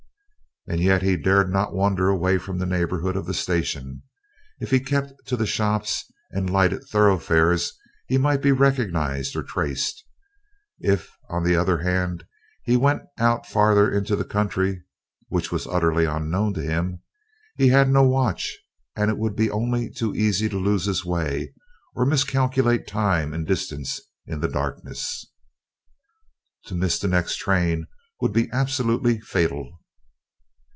And yet he dared not wander away from the neighbourhood of the station. If he kept to the shops and lighted thoroughfares he might be recognised or traced. If, on the other hand, he went out farther into the country (which was utterly unknown to him), he had no watch, and it would be only too easy to lose his way, or miscalculate time and distance in the darkness. To miss the next train would be absolutely fatal.